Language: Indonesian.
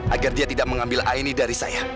agar dia tidak mengambil air ini dari saya